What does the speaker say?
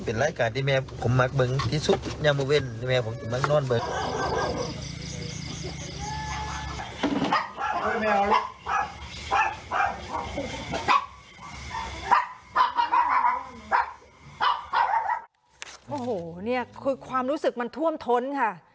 โอ้โหนี่คือความรู้สึกมันท่วมท้นค่ะ